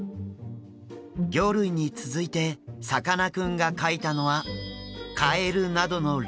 魚類に続いてさかなクンが描いたのはカエルなどの両生類。